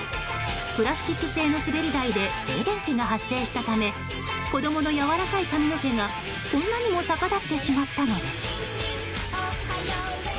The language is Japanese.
プラスチック製の滑り台で静電気が発生したため子供のやわらかい髪の毛がこんなにも逆立ってしまったのです。